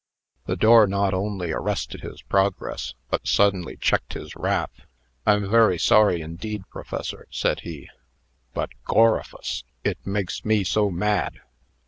The door not only arrested his progress, but suddenly checked his wrath. "I'm very sorry, indeed, Professor," said he; "but Gorrifus! it makes me so mad!"